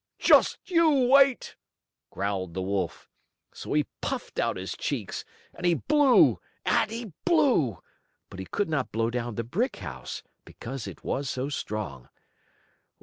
"Just you wait!" growled the wolf. So he puffed out his cheeks, and he blew and he blew, but he could not blow down the brick house, because it was so strong.